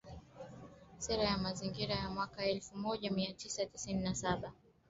Sera ya Mazingira ya mwaka elfu moja mia Tisa tisini na saba